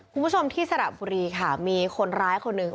คุณผู้ชมที่สระบุรีค่ะมีคนร้ายคนหนึ่ง